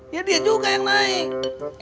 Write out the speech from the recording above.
ya dia juga yang naik